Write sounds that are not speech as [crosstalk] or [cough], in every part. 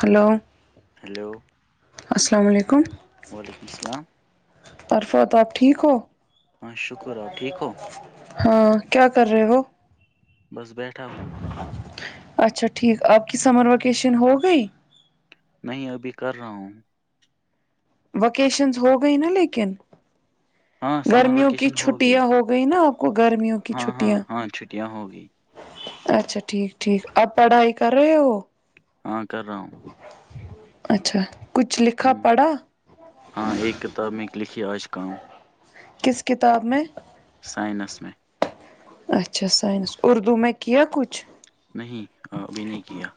hello hello السلام علیکم وعلیکم السلام عرفت آپ ٹھیک ہو ہاں شکر آپ ٹھیک ہو ہاں کیا کر رہے وہ بس بیٹھا ہوں اچھا ٹھیک آپ کی سمر ویکیشن ہو گئی نہیں ابھی کر رہا ہوں وکیشن ہو گئی نا لیکن ہاں سمر گرمیوں کی ویکیشن چھٹیاں ہو گئی گئی نا ا گرمیوں کی ہاں ہاں چھٹیاں ہاں چھٹیاں ہوگی اچھا ٹھیک ٹھیک اب پڑھائی کر رہے ہو ہاں کر رہا ہوں اچھا کچھ لکھا ہ پڑھا ہاں ایک کتاب میں لکھی آج کام کس کتاب میں سائنس میں اچھا سائنس اردو میں کیا کچھ نہیں ابھی نہیں کیا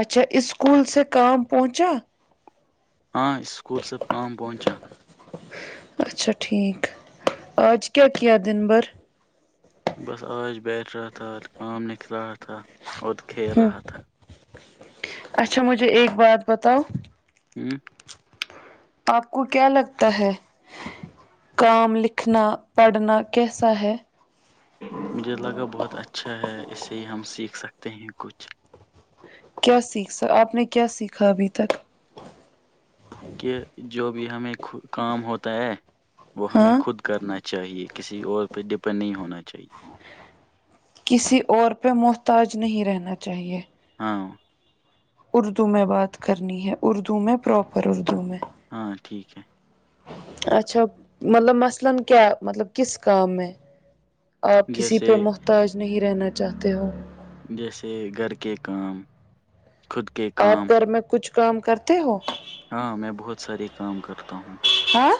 اچھا اسکول سے کام پہنچا ہاں اسکول سب کام پہنچا [inaudible] بس آج بیٹھ رہا تھاج کام نکل رہا تھا اورت کھیل ہ رہا تھا اچھا مجھے ایک بات بتاؤ ہوں آپ کو کیا لگتا ہے کام لکھنا پڑھنا کیسا ہے مجھے لگا بہت اچھا ہے اس سے ہی ہم سیکھ سکتے ہیں کچھ کیا سیکھ سا آپ نے کیا سیکھا ابھی تک کہ جو بھی ہمیں کام ہوتا ہے وہ ہمیں ہاں خود کرنا چاہیے کسی اور پہ ڈپینڈ نہیں ہونا چاہیے کسی اور پہ محتاج نہیں رہنا چاہیے ہاں اردو میں بات کرنی ہے اردو میں پراپر اردو میں ہاں ٹھیک ہے اچھا مطلب مثلا کیا ہے مطلب کس کام میں آپ کسی جیسے پہ محتاج نہیں رہنا چاہتے ہو جیسے گھر کے کام خود کے آپ کام گھر میں کچھ کام کرتے ہو ہاں میں بہت سارے کام کرتا ہوں ہاں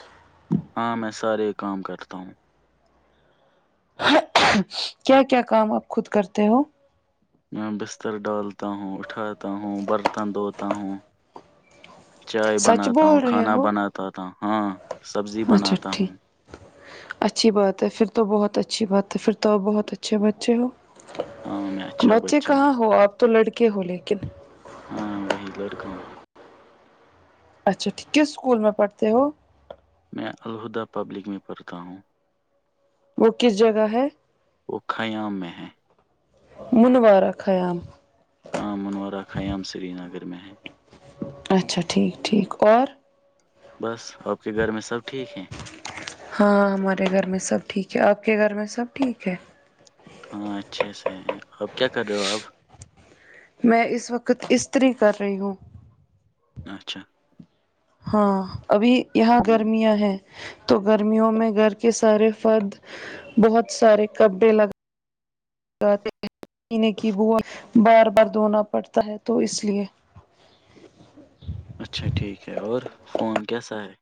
ہاں میں سارے کام کرتا ہوں کیا کیا کام آپ خود کرتے ہو میں بستر ڈالتا ہوں اٹھاتا ہوں برتن دھوتا ہوں چائے سچ بناتا ہوں بول رہے کھانا ہو بناتا تھا ہاں سبزی اچھا بناتا ہوں ٹھیک اچھی بات ہے پھر تو بہت اچھی بات ہے پھر تو بہت اچھے بچے ہو ہاں میں اچھا بچے بچہ ہوں کہاں ہو آپ تو لڑکے ہو لیکن ہاں وہی لڑکا ہوں اچھا ٹھیک کس اسکول میں پڑھتے ہو میں الہدی پبلک میں پڑھتا ہوں وہ کس جگہ ہے وہ خیام میں ہے منوارا خیام ہاں منوورا خیام سری نگر میں ہے اچھا ٹھیک ٹھیک اور بس آپ کے گھر میں سب ٹھیک ہیں ہاں ہمارے گھر میں سب ٹھیک ہے آپ کے گھر میں سب ٹھیک ہے ہاں اچھے سے اب کیا کر رہے ہو آپ میں اس وقت استری کر رہی ہوں اچھا ہاں ابھی یہاں ہوں گرمیاں ہیں تو گرمیوں میں گھر کے سارے فرد بہت سارے کپڑے لگا پینے کی ب بار بار دھونا پڑتا ہے تو اس لیئے اچھا ٹھیک ہے اور فون کیسا ہے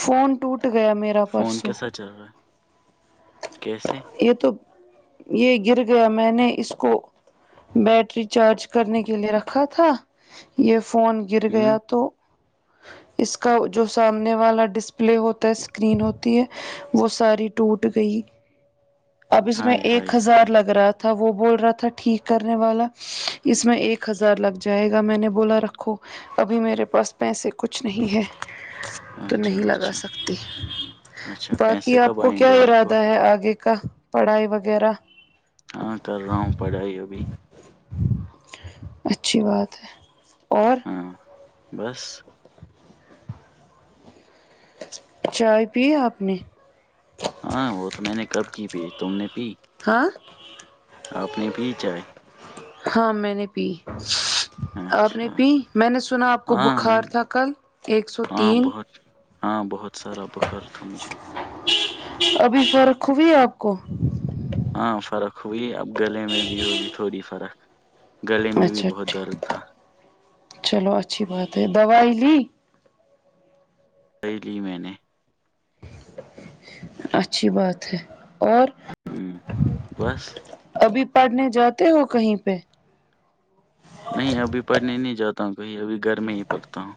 فون ٹوٹ گیا ما فون کیسا چل رہا ہے کیسے یہ تو یہ گر گیا میں نے اس کو بیٹری چارج کرنے کے لے رکھا تھا یہ فون گر ہوں گیا تو اس کا جو سامنے والا ڈسپلے ہوتا ہے اسکرین ہوتی ہے وہ ساری ٹوٹ گئی اب اس میں ہائے ایک ہائے ہائے ہزار لگ رہا تھا تھا وہ بول رہا تھا ٹھیک کرنے والا اس میں ایک ہزار لگ جائے گا میں نے بولا رکھو ابھی میرے پاس پیسے کچھ نہیں ہیں تو اچھا نہیں لگا اچھا سکتی اچھا باقی پیسے آپ کب کو آئیں کیا گے آپ کو ارادہ ہے آگے کا پڑھائی وغیرہ ہاں کر رہا ہوں پڑھائی ابھی اچھی بات ہے اور ہاں بس چائے آپ نے ہاں وہ تو میں نے کب کی پی تم نے پی ہاں اپنے بھی چائے ہاں میں نے پی آپ نے اچھا پی میں نے سنا آپ کو ہاں میں بخار نے- تھا کل ایک سو ہاں تین بہت ہاں بہت سارا بخر تھا مجھے ابھی فرق ہوی آپ کو ہاں فرق ہوئی اب گلے میں بھی ہوئی تھوڑی فرق گلے میں بھی اچھا بہت درد تھا چلو اچھی بات ہے دوائی لی صی لی میں نے اچھی بات ہے اور ہوں بس ابھی پڑھنے جاتے ہو کہیں پہ نہیں ابھی پڑھنے نہیں جاتا ہوں کہیں ابھی گھر میں ہی پڑھتا ہوں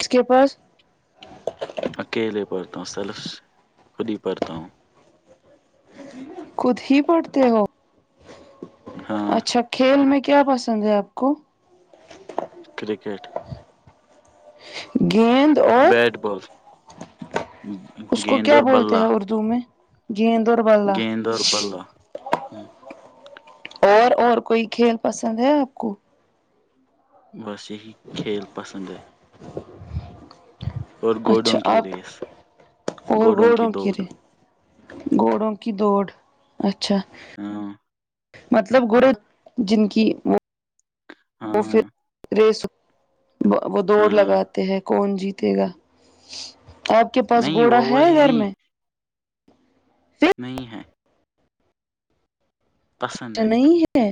اس کے پاس اکیلے پڑھتا ہوں سلف خود ہی پڑھتا ہوں خود ہی پڑھتے ہو ہاں اچھا کھیل میں کیا پسند ہے آپ کو کرکٹ گد [unintelligible] [inaudible] بیٹ بال اس کو گیند کیا اور بولتے بلہ ہیں اردو میں گیند اور بلا گیند اورور بلہ ہوں، اور اور کوئی کھیل پسند ہے آپ کو بس یہی کھیل پسند ہے اور گوڈوں اچھا کی آپ ریس اور گوڈوں کی گوڑوں دوڑ کیے گوڑوں کی دوڑ اچھا ہاں مطلب گرو جن کی وہ وہ پھر ہاں ریس وہ دوڑ ہاں لگاتے ہیں کون جیتے گا آپ کے پاس نہیں گوڑا وہ ہے والی گھر نہیں میں نہیں ہے پسند اچھا ہے نہیں ہے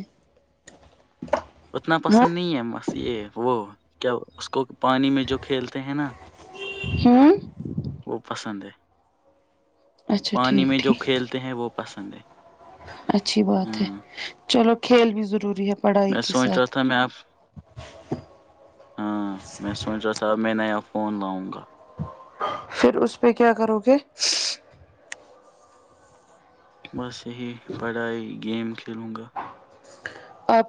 اتنا ہاں پسند نہیں ہے بس یہ وہ کیا اس کو پانی میں جو کھیلتے ہیں نا ہوں وہ پسند ہے اچھا پانی ٹھیک میں جو ٹھیک کھیلتے ہیں وہ پسند ہے اچھی بات ہے ہوں چلو کھیل بھی ضروری ہے پڑھائی میں کے سوچ رہا ساتھ تھا میں آپ [unintelligible] [inaudible] ہاں میں سوچ رہا تھا اب میں نیا فون لاؤں گا پھر اس پہ کیا کرو گے بس یہی پڑھائی گیم کھیلوں گا آپ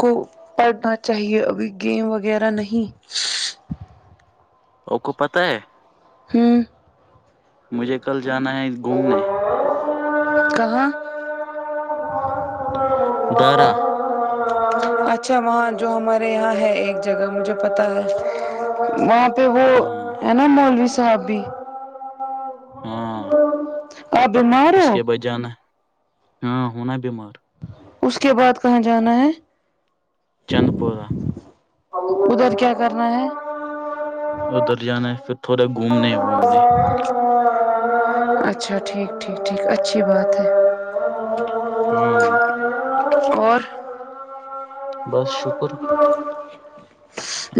کو پڑھنا چاہیے ابھی گیم وغیرہ نہیں ا کو پت ہے ہھر [unintelligible] [inaudible] مجھے کل جانا ہے گھومنے کہاں درا [unintelligible] [inaudible] اچھا وہاں جو ہمارے یہاں ہے ایک جگہ مجھے پتا ہے وہ ہاں ن مولوی صاحب بھی ہاں آپ بیمار اس ہو کے بج جانا ہاں ہونا بیمار اس کے بعد کہاں جانا ہے چندپورہ ادھر کیا کرنا ہے ادھر جانا ہے پھر تھوڑے گھومنے وھومنے اچھا ٹھیک ٹھیک ٹھیک اچھی بات ہے ہاں اور بس [unintelligible] [inaudible]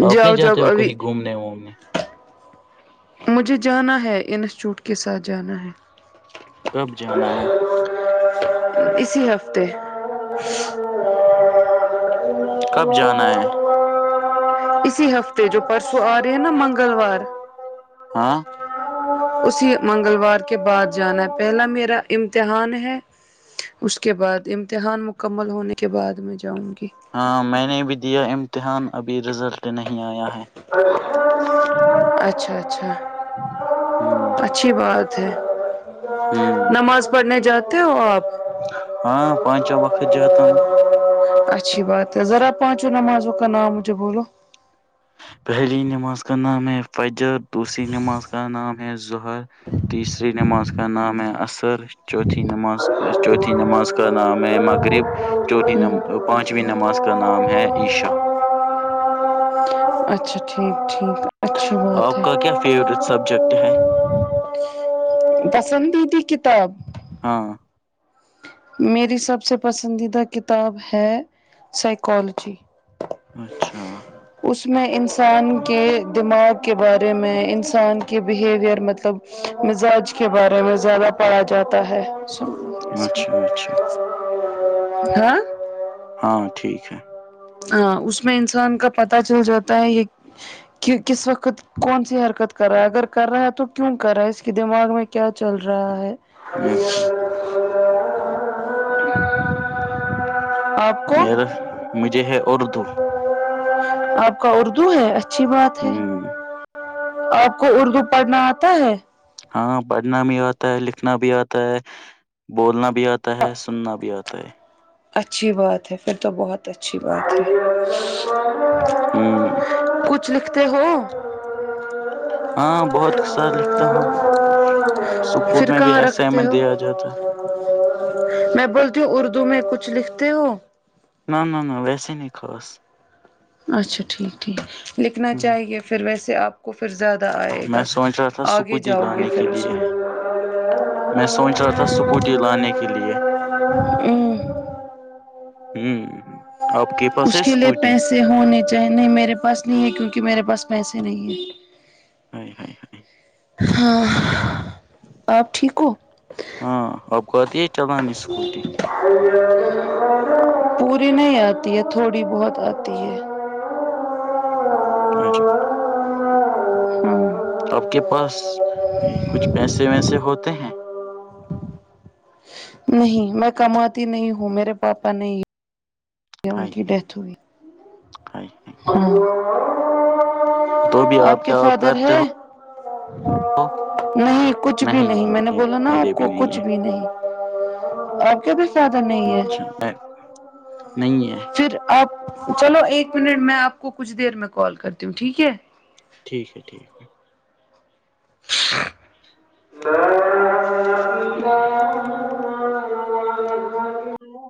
آپ جاؤ جاؤ ابھی نہیں وہ مجھے جانا ہے انسٹیوٹ کے ساتھ جانا ہے کب جانا ہے اسی ہفتے کب جانا ہے [inaudible] اسی ہفتے جو پرسوں آ رہی ہے نا منگلوار ہاں اسی منگلوار کے بعد جانا ہے پہلا میرا امتحان ہے اس کے بعد امتحان مکمل ہونے کے بعد میں جاؤں گی ہاں میں نے بھی دیا امتحان ابھی رزلٹ نہیں آیا ہے اچھا اچھا ہوں [inaudible] اچھی بات ہے ہوں نماز پڑھنے جاتے ہو آپ ہاں پانچوں وقت جاتا ہوں اچھی بات ہے ذرا پانچوں نمازوں کا نام مجھے بولو پہلی نماز کا نام ہے فجر دوسری نماز کا نام ہے ظہر تیسری نماز کا نام ہے عر سر چوتھی نماز چوتھی نماز کر ن آ میں مغرب چوتھی ہوں، پانچویں نماز کا نام ہے عشا اچھا ٹھیک ٹھیک اچھی بات آپ ہے کا کیا فیوریٹ سبجیکٹ ہے [inaudible] پسندیدی کتاب [inaudible] ہاں [inaudible] میری سب سے پسندیدہ کتاب ہے سائیکالوجی اچھا اس میں انسان کے دماغ کے بارے میں انسان کے بیہیویر مطلب مزاج کے بارے میں زیادہ پڑھا جاتا ہے اچھا اچھا ہاں [inaudible] ہاں ٹھیک ہے ہاں اس میں انسان کا پتا چل جاتا ہے یہ کہ کس وقت کون سی حرکت کر رہا ہے اگر کر رہا ہے تو کیوں کر رہا ہے اس کے دماغ میں کیا چل رہا ہے [inaudible] ہ ہ [inaudible] آپ کو میرا مجھے ہے اردو آپ کا اردو ہے اچھی بات ہے ہوں [inaudible] آپ کو اردو پڑھنا آتا ہے ہاں پڑھنا بھی آتا ہے لکھنا بھی آتا ہے بولنا بھی بھی آتا ہے سننا بھی آتا ہے اچھی بات ہے پھر تو بہت ب اچھی بات ہے ہوں کچھ لکھتے ہو [inaudible] جی [inaudible] ہاں بہت سار لکھتا ہوں سکول پھر میں بھی کہاں ایسے ای رکھتے میں ہو دیا جاتا ہے میں بولتی ہوں اردو میں کچھ لکھتے ہو [inaudible] نہ نہ نہ ویسے نہیں خاص اچھا ٹھیک ٹھیک لکھنا ہ چاہیے پھر ویسے آپ کو پھر زیادہ آئے میں گا سوچ رہا تھا آگے اسکوٹی جاؤ گے لانے پھر کے اس لیے میں [inaudible] میں سوچ رہا تھا اسکوٹی لانے ہل [inaudible] کے لیے ہوں آپ کے پاس ہے اسکوٹی ے ہونے چاہی نہیں میرے پاس نہیں ہے کیونکہ میرے پاس پیسے نہیں ہیں ہ [inaudible] ہاں آپ ٹھیک ہو ہاں اب کوتی [unintelligible] ہوں [inaudible] پوری نہیں آتی ہے تھوڑی بہت آتی ہے [inaudible] جے ہاں آپ کے پاس کچھ پیسے ویسے ہوتے ہیں نہیں میں کماتی نہیں ہوں میرے پاپا نہیں ہے ان کی ںکھھھ ڈیتھ ہوئی تو بھی آپ کے کیا فادر کرتے ہے ہ ہو نہیں کچھ بھی نہیں میں نے بولا نا کچھ بھی نہیں آپ کے پس زیادہ نہیں ہے نہیں ہے پھر آپ چلو ایک منٹ میں آپ کو کچھ دیر میں کال کرتی ہوں ٹھیک ہے ٹھیک ہے ٹھیک ہے ہھ [unintelligible] [inaudible] ہے